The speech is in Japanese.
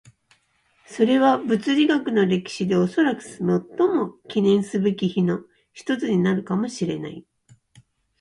それは物理学の歴史でおそらく最も記念すべき日の一つになるかもしれない。